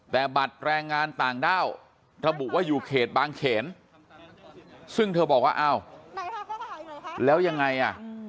แต่บัตรแรงงานต่างด้าวระบุว่าอยู่เขตบางเขนซึ่งเธอบอกว่าอ้าวแล้วยังไงอ่ะ